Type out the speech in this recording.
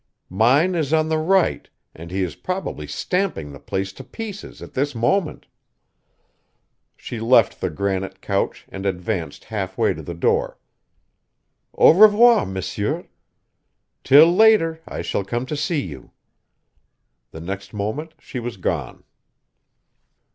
"Mine is on the right and he is probably stamping the place to pieces at this moment." She left the granite couch and advanced half way to the door. "Au revoir, messieurs. Till later I shall come to see you." The next moment she was gone.